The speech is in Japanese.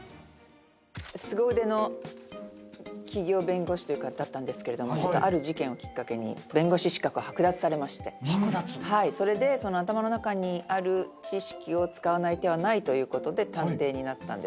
すご腕の企業弁護士だったんですけれどもある事件をきっかけに弁護士資格を剥奪されましてそれで頭の中にある知識を使わない手はないということで探偵になったんですけれども。